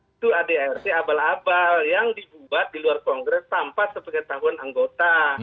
itu adart abal abal yang dibuat di luar kongres tanpa sebagai tahuan anggota